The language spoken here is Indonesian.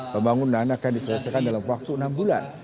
pembangunan akan diselesaikan dalam waktu enam bulan